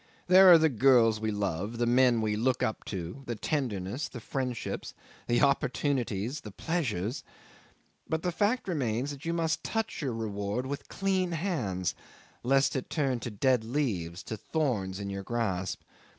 There are the girls we love, the men we look up to, the tenderness, the friendships, the opportunities, the pleasures! But the fact remains that you must touch your reward with clean hands, lest it turn to dead leaves, to thorns, in your grasp.